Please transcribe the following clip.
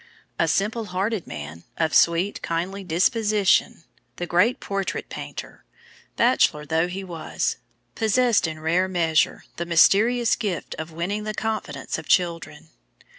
A simple hearted man, of sweet, kindly disposition, the great portrait painter, bachelor though he was, possessed in rare measure the mysterious gift of winning the confidence of children.